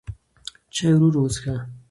چای ورو ورو وڅښه.